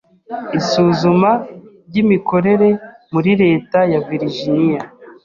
isuzuma ry'imikorere muri leta ya Virginia.